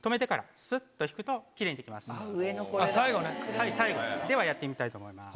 はい最後ではやってみたいと思います。